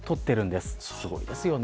すごいですよね。